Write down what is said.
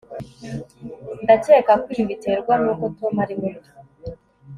ndakeka ko ibi biterwa nuko tom ari muto